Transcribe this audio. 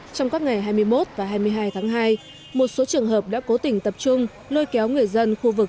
trong các ngày hai mươi một và hai mươi hai tháng hai một số trường hợp đã cố tình tập trung lôi kéo người dân khu vực